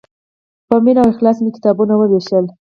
په مینه او اخلاص مې کتابونه ووېشل.